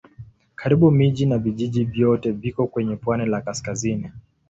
Karibu miji na vijiji vyote viko kwenye pwani la kaskazini.